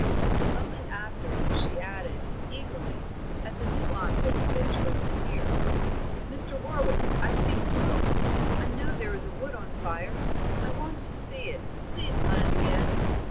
A moment after she added, eagerly, as a new object of interest appeared: "Mr. Warwick, I see smoke. I know there is a wood on fire; I want to see it; please land again."